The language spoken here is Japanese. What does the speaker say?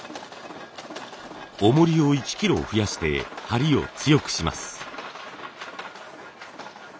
重りを１キロ増やして張りを強くします。